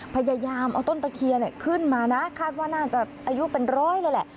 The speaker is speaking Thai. พยายามเอาต้นตะเคียนขึ้นมานะคาดว่าน่าจะอายุเป็นร้อยเลยแหละ